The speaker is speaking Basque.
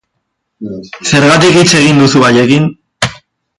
Zergatik hitz egin duzu haiekin?